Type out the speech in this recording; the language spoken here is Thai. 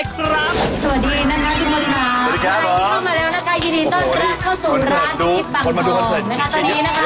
สวัสดีน้ำน้ำทุกคนค่ะ